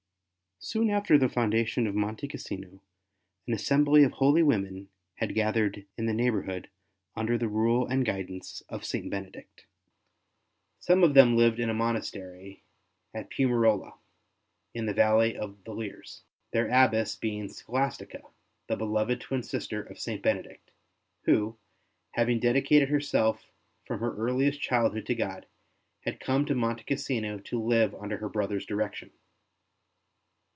Soon after the foundation of Monte Cassino, ST. BENEDICT 69 an assembly of holy women had gathered in the neighbourhood under the Rule and guidance of St. Benedict. Some of them lived in a monastery at Piumarola in the valley of the Liris, their Abbess being Scholastica, the beloved twin sister of St. Benedict, who, having dedicated herself from her earliest childhood to God, had come to Monte Cassino to live under her brother's direction.